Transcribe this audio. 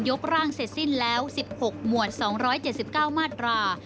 กร่างเสร็จสิ้นแล้ว๑๖หมวด๒๗๙มาตรา